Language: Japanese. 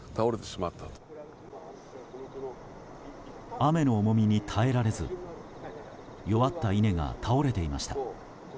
雨の重みに耐えられず弱った稲が倒れていました。